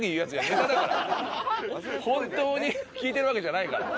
本当に聞いてるわけじゃないから。